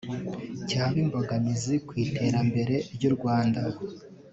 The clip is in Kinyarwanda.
cyaba imbogamizi ku iterambere ry’u Rwanda